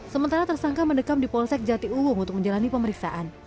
sementara tersangka mendekam di polsek jati uwung untuk menjalani pemeriksaan